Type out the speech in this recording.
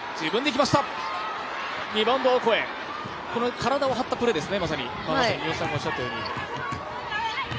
体を張ったプレーですね。